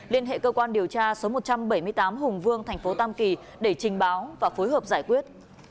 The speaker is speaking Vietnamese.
liên hệ cơ quan điều tra số một trăm bảy mươi tám hùng vương tp tam kỳ để trình báo và phối hợp giải quyết